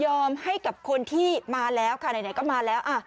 ให้กับคนที่มาแล้วค่ะไหนก็มาแล้ว